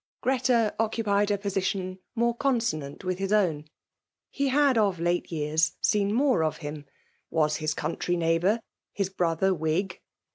Greta :oceupied a position more consonant wifh hSs .own ; he had of late years seen more of him,— was his country neighbour, his brother Whig.